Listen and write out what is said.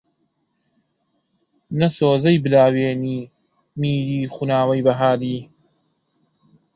نە سۆزەی بلاوێنی میری، خوناوەی بەهاری